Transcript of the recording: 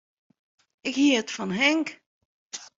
Ik hjit fan Henk.